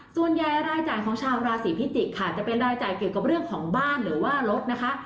ส่วนใหญ่รายจ่ายของชาวราศีพิจิกษ์ค่ะจะเป็นรายจ่ายเกี่ยวกับเรื่องของบ้านหรือว่ารถนะคะ